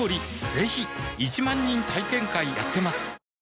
ぜひ１万人体験会やってますはぁ。